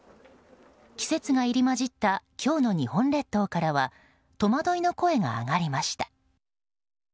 季節が入り混じった今日の日本列島からは戸惑いの声が上がりました。